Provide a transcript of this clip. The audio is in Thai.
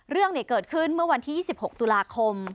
เรื่องเกิดขึ้นเมื่อวันที่๒๖ตุลาคม